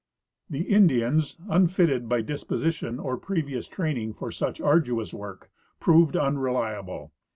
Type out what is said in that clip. The Indians, unfitted by disposition or i^revious training for such arduous work, proved unreliable.